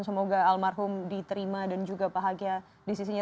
semoga almarhum diterima dan juga bahagia di sisinya